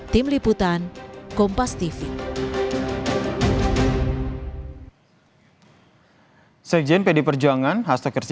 tim liputan kompas tv